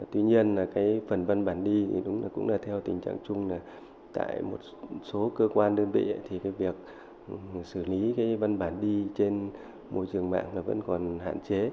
tuy nhiên là cái phần văn bản đi thì đúng là cũng là theo tình trạng chung là tại một số cơ quan đơn vị thì cái việc xử lý cái văn bản đi trên môi trường mạng là vẫn còn hạn chế